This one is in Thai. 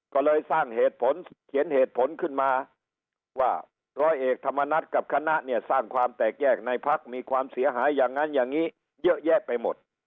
ก็เลยสร้างเหตุผลเขียนเหตุผลขึ้นมาว่าร้อยเอกธรรมนัฐกับคณะเนี่ยสร้างความแตกแยกในพักมีความเสียหายอย่างนั้นอย่างนี้เยอะแยะไปหมด